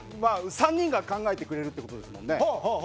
３人が考えてくれるということですもんね。